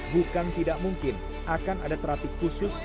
bukan tidak mungkin akan ada terapi khusus